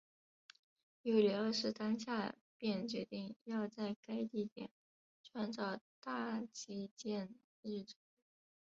尤里二世当下便决定要在该地点建造大基捷日城。